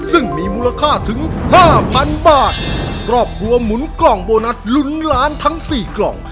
ซึ่งมีมูลค่าถึงห้าพันบาทครอบครัวหมุนกล่องโบนัสลุ้นล้านทั้งสี่กล่อง